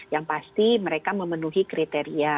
yang pasti mereka memenuhi kriteria